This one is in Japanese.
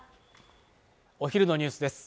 お昼のニュースです